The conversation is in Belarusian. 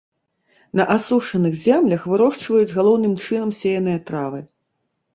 На асушаных землях вырошчваюць галоўным чынам сеяныя травы.